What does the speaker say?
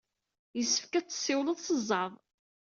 Yessefk ad tessiwled s zzeɛḍ.